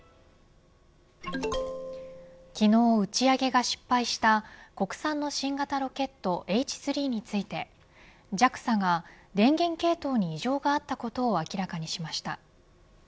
昨日、打ち上げが失敗した国産の新型ロケットＨ３についてＪＡＸＡが、電源系統に異常があったことを明らかにしました。